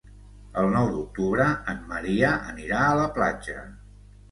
El nou d'octubre en Maria anirà a la platja.